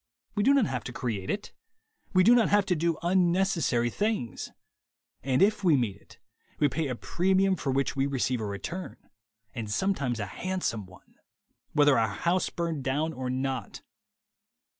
We do not have to create it. We do not have to do unnecessary things. And if we meet it, we pay a premium for which we receive a return, and sometimes a hand some one, whether our house burn down or not.